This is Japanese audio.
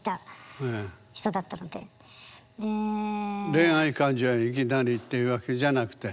恋愛感情にいきなりというわけじゃなくて？